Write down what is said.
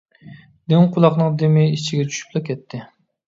دىڭ قۇلاقنىڭ دېمى ئىچىگە چۈشۈپلا كەتتى.